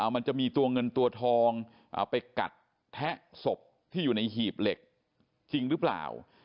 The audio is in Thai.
มันจะมีตัวเงินตัวทองไปกัดแทะศพที่อยู่ในหีบเหล็กจริงหรือเปล่า